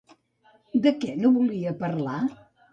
De què no volia parlar?